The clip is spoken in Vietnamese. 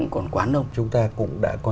còn quá nông chúng ta cũng đã có